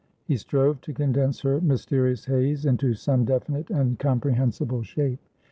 He strove to condense her mysterious haze into some definite and comprehensible shape.